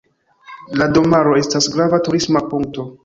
La domaro estas grava turisma punkto.